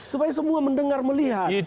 supaya semua mendengar melihat